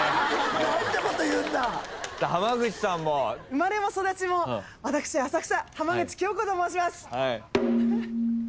生まれも育ちも私浅草浜口京子と申します。